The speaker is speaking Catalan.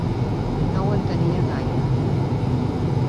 No ho entenia gaire.